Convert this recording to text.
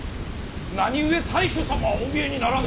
何故太守様はお見えにならぬ！